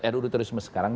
ruu terorisme sekarang